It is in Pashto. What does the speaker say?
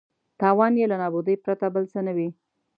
تاوان یې له نابودۍ پرته بل څه نه وي.